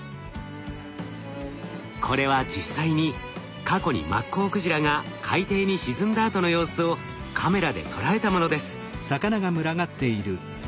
これは実際に過去にマッコウクジラが海底に沈んだあとの様子をカメラで捉えたものです。